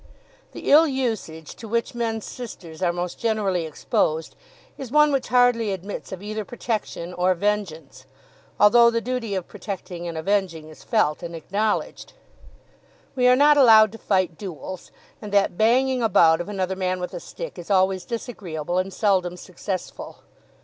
The ill usage to which men's sisters are most generally exposed is one which hardly admits of either protection or vengeance, although the duty of protecting and avenging is felt and acknowledged. We are not allowed to fight duels, and that banging about of another man with a stick is always disagreeable and seldom successful.